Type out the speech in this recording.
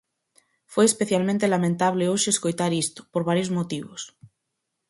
Foi especialmente lamentable hoxe escoitar isto, por varios motivos.